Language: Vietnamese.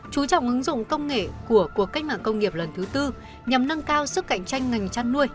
chú trọng ứng dụng công nghệ của cuộc cách mạng công nghiệp lần thứ tư nhằm nâng cao sức cạnh tranh ngành chăn nuôi